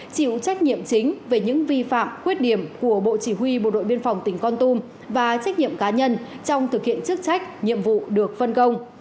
chịu trách nhiệm chính về những vi phạm khuyết điểm của bộ chỉ huy bộ đội biên phòng tỉnh con tum và trách nhiệm cá nhân trong thực hiện chức trách nhiệm vụ được phân công